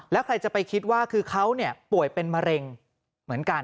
แล้วใครจะไปคิดว่าคือเขาป่วยเป็นมะเร็งเหมือนกัน